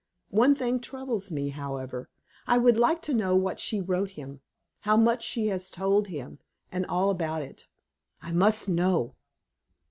One thing troubles me, however. I would like to know what she wrote him, how much she has told him, and all about it. I must know!"